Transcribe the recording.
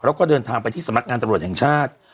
แล้วก็เดินทางไปที่สำนักงานตำรวจแห่งชาติ